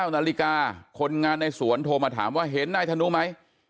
๙นาฬิกาคนงานในสวนโทรมาถามว่าเห็นนายธนุไหม